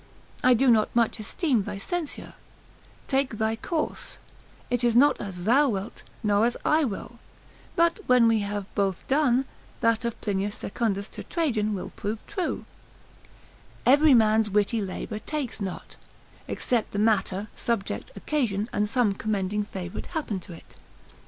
I do not much esteem thy censure, take thy course, it is not as thou wilt, nor as I will, but when we have both done, that of Plinius Secundus to Trajan will prove true, Every man's witty labour takes not, except the matter, subject, occasion, and some commending favourite happen to it.